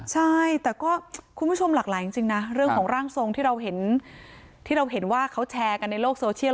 ใช่แต่ก็คุณผู้ชมหลากหลายจริงนะเรื่องของร่างทรงที่เราเห็นที่เราเห็นว่าเขาแชร์กันในโลกโซเชียล